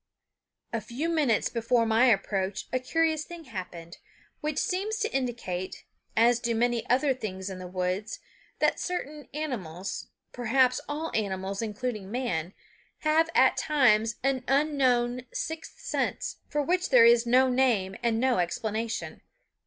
A few minutes before my approach a curious thing happened; which seems to indicate, as do many other things in the woods, that certain animals perhaps all animals, including man have at times an unknown sixth sense, for which there is no name and no explanation.